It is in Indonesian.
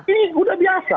ini udah biasa